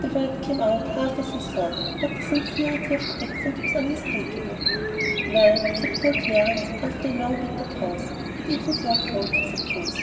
The word came out half as a sob, but the sincerity of the accent was unmistakable. "Well," said poor Clarence, after a long bitter pause; "it isn't your fault, I suppose.